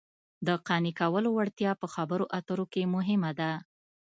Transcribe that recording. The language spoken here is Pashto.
د قانع کولو وړتیا په خبرو اترو کې مهمه ده